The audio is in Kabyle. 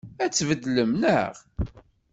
Ad t-tbeddlem, naɣ?